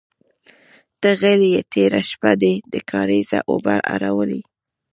_ته غل يې، تېره شپه دې د کارېزه اوبه اړولې.